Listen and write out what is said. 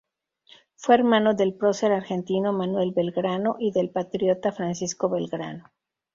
Fue hermano del prócer argentino Manuel Belgrano y del patriota Francisco Belgrano.